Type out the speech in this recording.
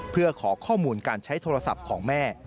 เพื่อขอข้อมูลการใช้โทรศัพท์ของแม่